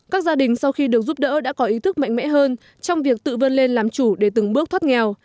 các gia đình sau khi được giúp đỡ đã có ý thức mạnh mẽ hơn trong việc tự vươn lên làm chủ để từng bước thoát nghèo